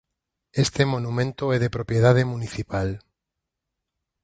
Este monumento é de propiedade municipal.